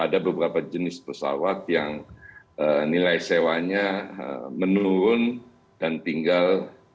ada beberapa jenis pesawat yang nilai sewanya menurun dan tinggal